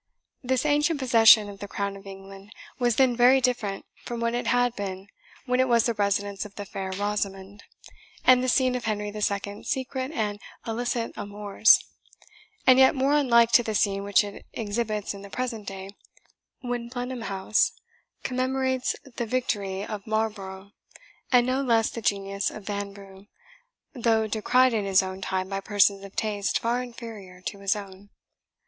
This ancient possession of the crown of England was then very different from what it had been when it was the residence of the fair Rosamond, and the scene of Henry the Second's secret and illicit amours; and yet more unlike to the scene which it exhibits in the present day, when Blenheim House commemorates the victory of Marlborough, and no less the genius of Vanbrugh, though decried in his own time by persons of taste far inferior to his own.